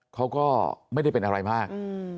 เขาก็ไม่ได้เป็นอะไรมาก